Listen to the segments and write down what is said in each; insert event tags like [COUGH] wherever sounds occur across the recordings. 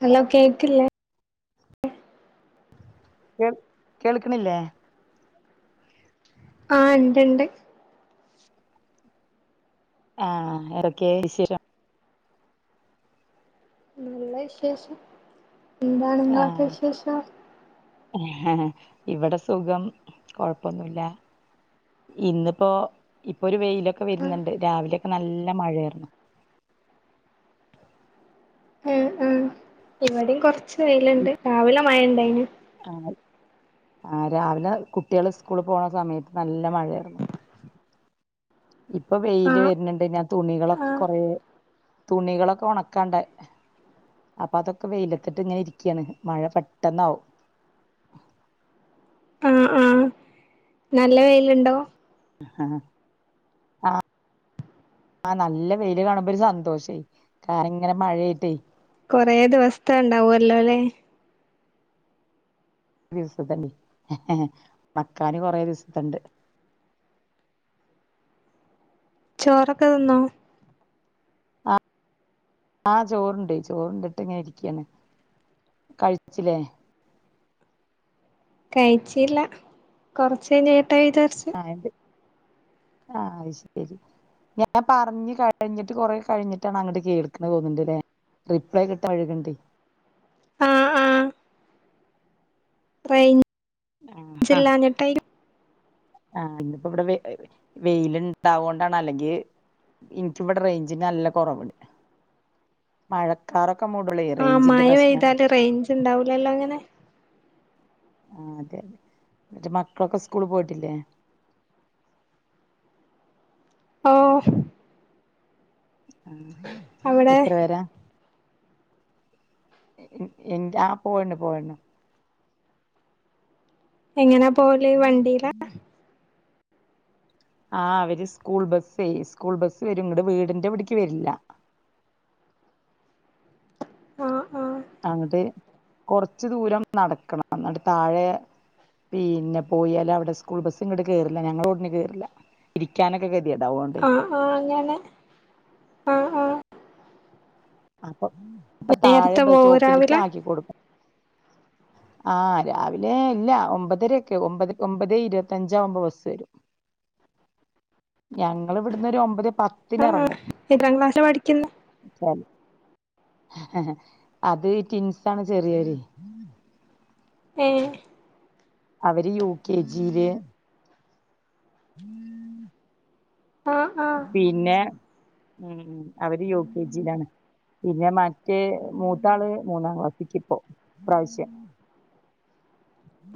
Hello കേക്കില്ലേ ഞ്ഞം കേൾക്കണില്ലേ ആഹ ണ്ട്ണ്ട് ആഹ എറക്കിയേ ത്ശരി ല്ല വിശേഷം എന്താാണ് നിങ്ങളൊക്കെ വിശേഷം ആഹ് ഇവിടെ സുഖം കൊഴപ്പൊന്നുമല്ല ഇന്നിപ്പോൊ ഇപ്പൊ ഒരു വെയിലൊക്കെ ആഹ് വരുന്നുണ്ട് രാവിലെയൊക്കെ നല്ല മഴായിരുന്നു ആ ആ ഇവിടെയും കൊറച്ച് ച്ച് വെയിലുണ്ട് രാവിലെ മഴണ്ട അയിന് ആ രാവിലെ കുട്ടികള് സ്കൂള് പോണ സമയത്ത് നല്ല മഴയായിരുന്നു ഇപ്പൊ വെയില് ആഹ് വരുന്നുണ്ട് ഞാ തുണികളൊക്കെ ആഹ് കുറെ തുണികളൊക്കെ ഉണക്കാണ്ട അപ്പൊ അതൊക്കെ വെയിലത്തിട്ട് ഇങ്ങനെ ഇരിക്കയാണ് മഴ പെട്ടെന്നാവും ആഹ് ആഹ് നല്ല വെയിലുണ്ടോ ആഹ ആഹ നല്ല വെയില് കാണുമ്പൊ ഒരു സന്തോഷ ക ഇങ്ങനെ മഴയിട്ടേ കൊറേ ദിവസ്ഥ ഉണ്ടാവല്ലോ ല്ലേ ദിവസത്തെനി മക്കാന് കൊറെ ദിവസത്തെണ്ട് ചോറൊക്കെ ത്ന്നോ ആ ആഹ് ചോറ്ണ്ട് ചോറുണ്ടിട്ട് ങ്ങനെ ഇര്ക്കാണ് കഴിച്ചിലെ കഴിച്ചീല്ല കൊറചൈ ടയ്ടേർസ് ആഹ് എന്ത് ആഹ് അയ്ശരി ഞാൻ പർഞ് കേ കഴിഞ്ഞിട്ട് കൊറെ കഴിഞ്ഞിട്ടാണ് അങ്ങട്ട് കേൾക്ക തോന്ന്ണ്ട്ലെ റിപ്ലൈ കിട്ടാ വയ്ക്ണ്ടേ റെയ് ജില്ലാഞ്ഞിട്ടയ് നു ആ ഇപ്പോ വടെ വെയില് ണ്ടാവോണ്ടാണ് അല്ലെങ്കിൽ ഇൻക്കിവിടെ റേഞ്ചിന് നല്ല കൊറവ്ണ്ട് മഴക്കാറൊ ആ മഴ പെയ്താല് റേഞ്ച് ണ്ടാവൂലല്ലോ ങ്ങനെ ആ അതെ റ്റ് മക്കളൊക്കെ സ്കൂള് പോയി ട്ടില്ലേ ഓ ഹ് അവിടെ എത്ര പേരാ എന്റെ ആ പോയ്ണ് പോയ്‌ണ് എങ്ങനെപ ഓല് വണ്ടീല ആ അവര് സ്കൂൾ ബസ്സേ സ്കൂൾ ബസ്സ് വരും ങ്ങട്ട് വീടിന്റെ ഇവട്ക്ക് വരില്ല ആഹ് ആഹ് കൊർച്ച് ദൂരം നടക്കണം ന്നട്ട് താഴെ പിന്നെ പോയാല് അവിടെ സ്കൂൾ ബസ്സ്ങ്ങട്ട് കേറില്ല ഞങ്ങളെറോഡിന് കേറില്ല തിരിക്കാനൊക്കെ ആ ആ അങ്ങനെ ആ ആ അപ്പൊ താഴെ ബ പോവോ സ്റ്റോപ്പിൽക്ക് രാവിലെ ആക്കി കൊടുകും ആ രാവിലെ ഇല്ല ഒമ്പതരൊക്കെ ഒമ്പത് ഒമ്പതേ ഇരുപത്തഞ്ചാവുമ്പം ബസ്സെരും ഞങ്ങള് ഇവട്ന്നൊരു ഒമ്പത് പത്തിന് ആ ഇറങ്ങും എത്രാം ക്ലാസ്സാ പഠിക്ന്നെ അത് റ്റിൻസാണ് ചെറ്യേര് ഏ അവര് യു. കെ. ജില് ആഹ് ആഹ് പിന്നെ ഉം അവര് യു. കെ ജിലാണ് പിന്നെ മറ്റേ മൂത്താള് മൂന്നാം ക്ലാസിക്കിപ്പോ ഇപ്രാവശ്യം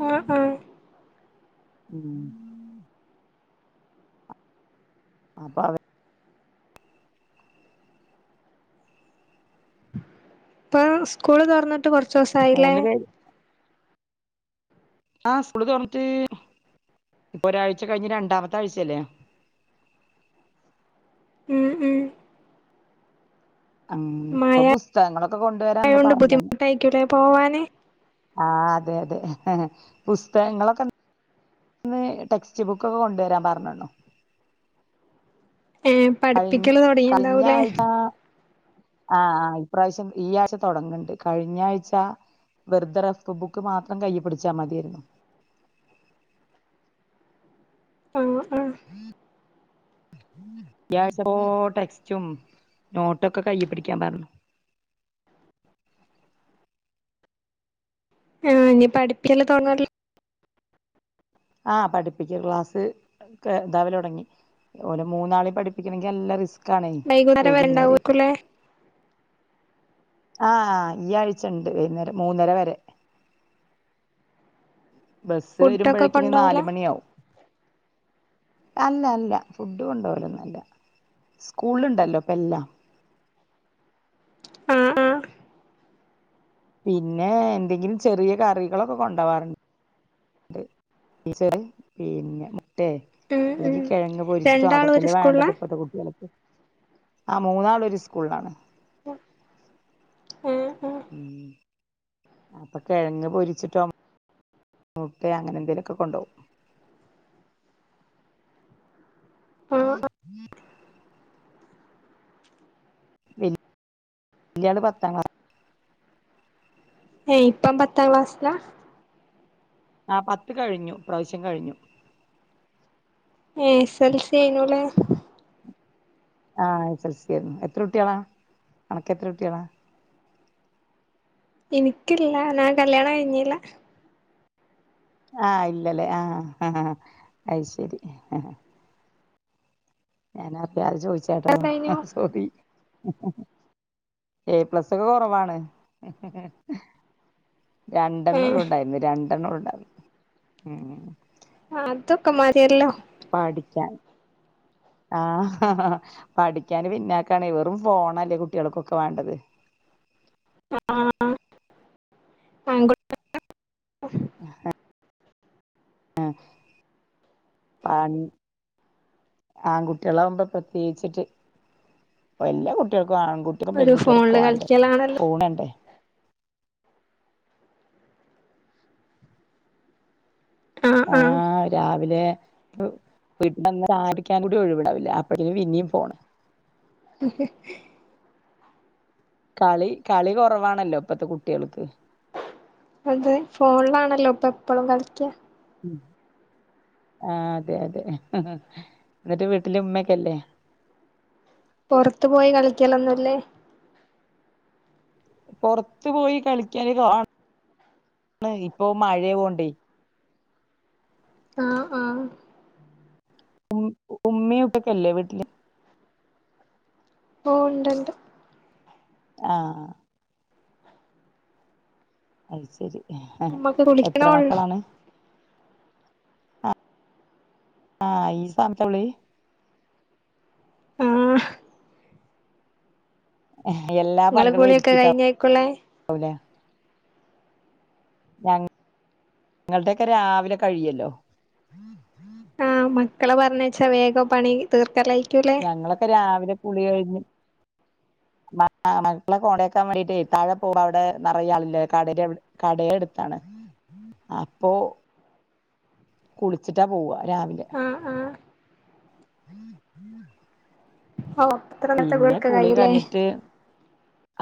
ആ ആ ഉം അപ്പ വ പ്പ സ്കൂള് തൊർന്നിട്ട് കൊർ ച്ചോസായിലെ മൂന്ന് പേര് ആ സ്കൂള് തുന്നിട്ട് പ്പൊരാഴ്ച കഴിഞ് രണ്ടാമത്തെ ആഴ്ചല്ലേ ഉം ഉം ഉം ഇപ്പൊ മഴ പുസ്തകങ്ങളൊക്കെ കൊണ്ടുവരാന്ന് പറഞ്ഞന്ന് ഇ ആ അതെ അതെ പുസ്തകങ്ങളൊക്കെന്ന് ടെക്സ്റ്റ് ബുക്കൊക്കെ കൊണ്ടുവരാൻ പറഞ്ഞ്ണു ഏഹ് കഴിഞ്ഞ പഠിപ്പിക്കല് തുടങ്ങിയീണ്ടാവൂലേ ആഹ് ആ ഇപ്രാവശ്യം ഈ ആഴ്ച തൊടങ്ങ്ണ്ട് കഴിഞ്ഞ ആഴ്ച വെർതെ റഫ് ബുക്ക് മാത്രം കയ്യ് പിടിച്ചാ മതിയായിരുന്നു ആ ഈ ആഴ്ച്ചോ ടെക്സ്റ്റും നോട്ടൊക്കെ കയ്യ് പിടിക്കാൻ പറഞ്ഞു ആഹ ഇനി പഠിപ്പ്യല്ലാ തൊടങ്ങാതി ആഹ് പഠിപ്പിക്കൽ ക്ലാസ് ഒക്കെ താവല് തൊടങ്ങി ഓലെ മൂന്നാളിം പഠിപ്പിക്കണെങ്കിൽനല്ല റിസ് വൈകുന്നേര വരണ്ടാവൂക്കുലെ ആഹ് ഈആഴ്ച്ച ഇണ്ട് വൈന്നേരംമൂന്നരവരെ ബസ്സ് ഫുഡൊക്കെ വരുമ്പഴേക്കും ഇനി കൊണ്ടോവലാ നാല്മണിയാവും അല്ലഅല്ല ഫുഡ്കൊണ്ടോ വലൊന്നൊല്ല സ്കൂൾണ്ട്ല്ലോ ഇപ്പല്ലാം ആഹ് ആഹ് പിന്നെ എന്തെങ്കിലും ചെറിയകറികളൊക്കെ കൊണ്ടവാറ് [UNINTELLIGIBLE] പിന്നെ ട്ടേ ഉം ഉം അല്ലെങ്കികെഴങ്ങ്പൊരിച്ചിട്ടോ രണ്ടാളും ഒരു സ്കൂളിലാ അതൊക്കെല്ലേവേണ്ടത് ഇപ്പത്തെകുട്ടിയൾക്ക് ആ മൂന്നാളൊരുസ്ക്ലൂൾളാണ് ആഹ് ആഹ് [UNINTELLIGIBLE] അപ്പൊകെഴങ്ങ്പൊരിച്ചിട്ടോ മുട്ടേ അങ്ങനെന്തേലൊക്കെകൊണ്ടോവും ആഹ് [INAUDIBLE] വല്യാള് പത്താം ക്ലാസ് ഏയ് ഇപ്പം പത്താംക്ലാസ്സ്ലാ? ആപത്ത്കഴിഞ്ഞു ഇപ്രാവശ്യംകഴിഞ്ഞു. ഏ എസ്എൽസിയ്നുലെ? ആഹഎസ്എൽസിയിരുന്നു എത്ര കുട്ടിയളാ അനക്ക്എത്രകുട്ടിയളാ? എനിക്കില്ല ഞാൻകല്യാണം കഴിഞ്ഞില്ല ആഹ് ഇല്ല ലെ ആഹ് ഹഹഹ അയ്ശരി ഹ ഹ [UNINTELLIGIBLE] ചോയ്ച്ചാട്ടോ കഴിഞ്ഞു അഹ് സോറി ഏ പ്ലസ്സൊക്കെ കൊറവാണ് ഏ രണ്ടെണ്ണൊള്ളൂ ഉണ്ടായിരുന്ന് രണ്ട് [UNINTELLIGIBLE] അ അതൊക്കെമതിയല്ലോ പഠിക്ക്യാൻ ആഹ ഹഹഹ പഠിക്ക്യാന്പിന്നാക്കാണെ വെറുംഫോണല്ലേ കുട്ടിയാൾക്കൊക്കെവാണ്ടത്. [UNINTELLIGIBLE] അഹ ആ പണി ആൺകുട്ടിയളാവുമ്പോപ്രത്യേയിച്ചിട്ട് എല്ലാകുട്ടികള ഇപ്പൊ ആൺകുട്ടിയളും ഒരു ഫോണില് പെൺകുട്ടിയളൊക്കെവാണ്ടേ കളിക്കലാണല്ലോ ഫോണണ്ടെ? ആഹ് രാവിലെ [UNINTELLIGIBLE] കൂടി ഒഴിവ്ണ്ടാവില്ല അപ്പഴേക്കുംപിന്നീംഫോണ് ഹെഹെ കളി കളികൊറവാണല്ലോ ഇപ്പത്തെകുട്ടിയാൾക്ക്. അതെ ഫോണിലാണല്ലോ ഇപ്പ എപ്പോഴും കളിക്കാ ആ അതെ അതെ എന്നിട്ട് വീട്ടിലെ ഉമ്മക്കല്ലേ പൊറത്തു പോയി കളിക്കലൊന്നുംല്ലേ പൊറത്ത് പോയി കളിക്കല് കാണ ഇപ്പൊ മഴ യായണ്ടേ ആ ആ ഉമ്മയുംഉപ്പയുംക്കെ ഇല്ലേ വീട്ടില് ഓ ഉണ്ട്ഉണ്ട് ആ അത് ശരി മമ്മക്ക് കുളിക്കണ് എത്ര ഉള്ളൂ മക്കളാണ് ആ ഈ സമയത്തെ കുളി ആഹ് എല്ലാ ഇങ്ങളെ പണികളും കുളിയൊക്കെ കഴിഞ്ഞായിക്കുല്ലേ ഒരുക്കിട്ടാപോകല് ഞങ്ങളുടെയൊക്കെ രാവിലെ കഴിയല്ലോ ആഹ് മക്കളെ പറഞ്ഞച്ചാ വേഗം പണി തീർക്കലായി ഞങ്ങളൊക്കെ രാവിലെ കുളി കഴിഞ്ഞ് മ മക്കളെ കോണ്ടക്കാൻ വേണ്ടിട്ട് താഴെ പോവ അവിടെ നിറയ ആളില്ലേ കടയുടെ എടുത്താണ് അപ്പൊ കുളിച്ചിട്ടാ പോവ രാവിലെ ആഹ് ആഹ് ഓ അത്ര നേരുത്തെ പിന്നെ കുളിക്കെ കുളി കയിയുമോ കഴിഞ്ഞിട്ട്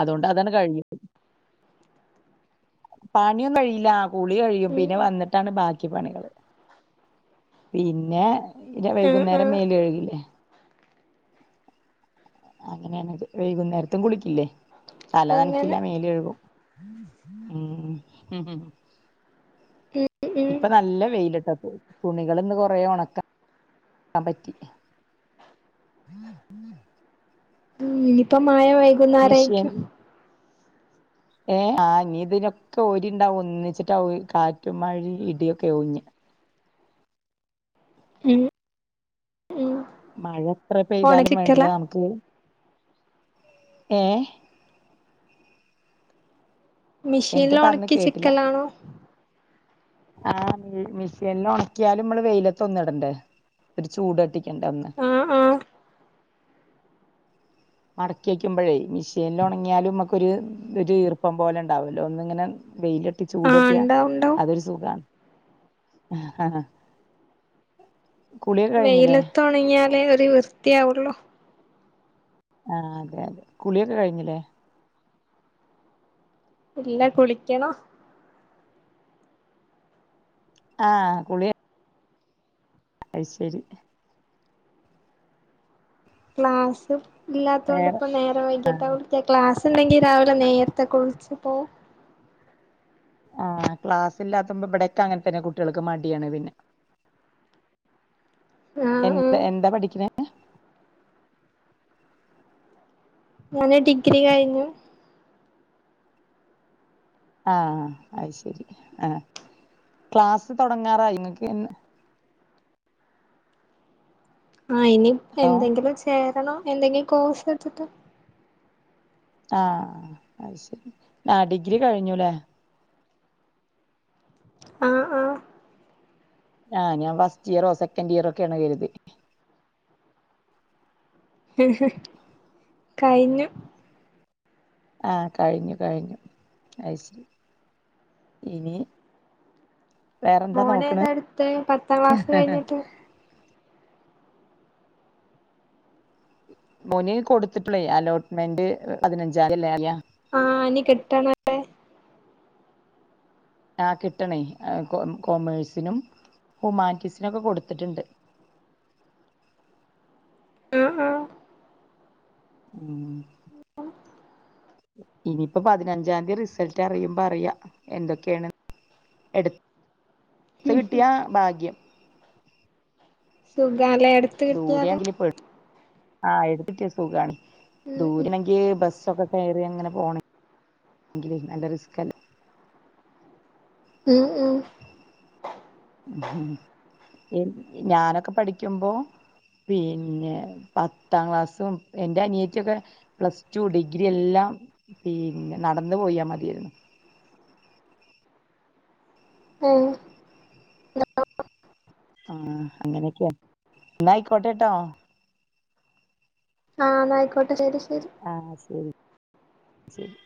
അതുകൊണ്ട് അതങ്ങ് കഴിഞ്ഞ് പണിയൊന്നും കഴിയില്ല കുളി കഴിയും ഉം പിന്നെ വന്നിട്ടാണ് ബാക്കി പണികള് പിന്നെ ഉം ആഹ് വൈകുന്നേരം ആഹ് മേല് കഴുകില്ലേ അങ്ങനെയ വൈകുന്നേരത്തും കുളിക്കില്ലേ തല അങ്ങനെ നനക്കില്ല മേല് കഴുകും ഉം ഉം ഉം ഇപ്പൊ നല്ല വെയിലിട്ട തുണികൾ ഇന്ന് കൊറ ഉണക്കാൻ പറ്റി ഇനിപ്പം മയ മിഷീൻ വൈകുന്നേരായിക്കും ഏ ആ നി ഇതിനൊക്കെ ഒരിണ്ടാവ ഒന്നിച്ചിട്ടാ കാറ്റും മഴയും ഇടിയൊക്കെ ഓഞ്ഞ് ഉം ഉം മഴ എത്ര പെയ്താലും ഒണക്കിക്കല വേണ്ടില്ല നമുക്ക് ഏ എന്ത് മിഷീനില് പറഞ്ഞ് ഉണക്കി കേട്ടില്ല ചിക്കലാണോ ആ മിഷീനില് ഉണക്കിയാലും നമ്മള് വെയിലത്ത ഒന്ന് ഇടണ്ടേ ഒരു ചൂടട്ടി ണ്ടന്ന് ആഹ് ആഹ് മടക്കി വക്കുമ്പോഴേ മിഷീനിൽ ഉണങ്ങിയാലും നമ്മക്കൊരു ഒരു ഈർപ്പം പോലെ ഉണ്ടാവല്ലോ ഒന്നിങ്ങനെ വെയിലട്ടി ആഹ് ചൂടട്ടിയാ ഇണ്ടാവും ഇണ്ടാവും അതൊരു സുഖമാണ് ആ വെയിലത്തോണങ്ങിയാലേ ഒരു വൃത്തിയാവോള്ളൂ ആ അതെ അതെ കുളിയൊക്കെ കഴിഞ്ഞില്ലേ ഇല്ല കുളിക്കണം ആ കുളിയ അയ് ശരി ക്ലാസ്സ്‌ ഇല്ലാത്തൊണ്ട് വേറെ പ്പം നേരം വൈകി ആവുടത്തെ ക്ലാസ് ഉണ്ടെങ്കിൽ രാവിലെ നേരെ ത്തെ കുളിച്ചിപ്പോ ആ ക്ലാസ്സല്ലാത്തുമ്പോ ഇവിടൊക്ക അങ്ങനെ തന്നെ കുട്ടികൾക്ക് മടിയാണ് പിന്നെ ആഹ് എന്താ ആഹ് എന്താ പഠിക്കണേ ഞാന് ഡിഗ്രി കഴിഞ്ഞു ആ അയ് ശരി ആ ക്ലാസ്സ് തുടങ്ങാറായി ങ്ങക്ക് എന്ന് ആ ഇനി ഹലോ എന്തെങ്കിലും ചെ ണോ എന്തെങ്കിലും കോഴ്സ് എടുത്തിട്ട് ആഹ് അത് ശരി ആ ഡിഗ്രി കഴിഞ്ഞുലെ ആ ആ ആഹ് ഞാൻ ഫസ്റ്റ് ഇയറോ സെക്കൻഡ് ഇയറൊക്കെയാണ് കരുതി കഴിഞ്ഞു ആഹ് കഴിഞ്ഞു കഴിഞ്ഞു അയ്ശരി ഇനി വേറെന്താ മോൻ നോക്കണ് ഏതാടുതെ പത്താം ക്ലാസ് കഴിഞ്ഞിട്ട് മോന് കൊടുത്തപ്ലെ അലോട്ട്മെന്റ് പതിനെഞ്ചാന്തില്ലേ അറിയ ആഹ് ഇനി കിട്ടണല്ലേ ആ കിട്ടണേ കോ കോമേഴ്സിനും ഹുമാറ്റീസിനും ഒക്കെ കൊടുത്തിട്ടുണ്ട് ആഹ് ആഹ് ഉം ഇനിയിപ്പോ പതിനഞ്ചാംന്തി റിസൾട്ട് അറിയുമ്പോ അറിയാം എന്തൊക്കെയാണ് എടു ച്ച് കിട്ടിയ ഭാഗ്യം സു വിലെ എടുത്ത് കിട്ടിയാല് ആഹ് എടുത്തിട്ട് സുഖാണ് ഉം ഉം ദൂരണങ്കി ബസ് ഒക്കെ കി കയറി അങ്ങനെ പോണങ്കില് നല്ല റിസ്കല്ലേ ഉം ഉം പിൻ ഞാനൊക്കെ പഠിക്കുമ്പോ പിന്നെ പത്താം ക്ലാസും എന്റെ അനിയത്ത യൊക്കെ പ്ലസ് ടു, ഡിഗ്രി എല്ലാം പിന്നെ നടന്ന് പോയാ മതിയായിരുന്ന് ഉം [UNINTELLIGIBLE] ആ അങ്ങനെയക്കെയ എന്നായിക്കോട്ടേട്ടോ ആഹ് ന്ന ആയിക്കോട്ടെ ശരി ആഹ് ശരി ശരി